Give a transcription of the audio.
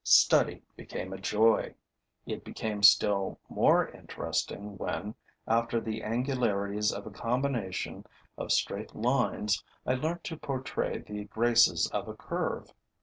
Study became a joy. It became still more interesting when, after the angularities of a combination of straight lines, I learnt to portray the graces of a curve.